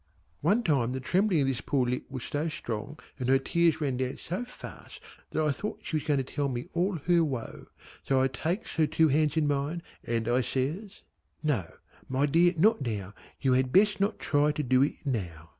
One time the trembling of this poor lip was so strong and her tears ran down so fast that I thought she was going to tell me all her woe, so I takes her two hands in mine and I says: "No my dear not now, you had best not try to do it now.